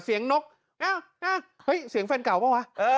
เสียงนกนะเฮ้ยเสียงแฟนเก่าหรือเปล่ามา